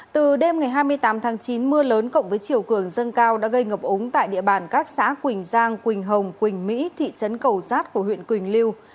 từ đêm ngày hai mươi tám tháng chín mưa lớn cộng với chiều cường dâng cao đã gây ngập úng tại địa bàn các xã quỳnh giang quỳnh hồng quỳnh mỹ thị trấn cầu giát của huyện quỳnh lưu